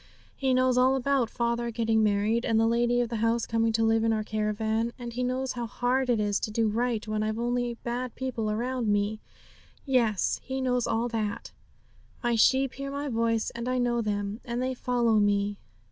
He knows all about father getting married, and the lady of the house coming to live in our caravan; and He knows how hard it is to do right when I've only bad people round me; yes, He knows all that. '"My sheep hear My voice, and I know them, and they follow Me."